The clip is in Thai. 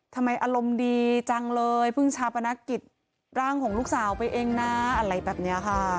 ทำไมอารมณ์ดีจังเลยเพิ่งชาปนกิจร่างของลูกสาวไปเองนะอะไรแบบนี้ค่ะ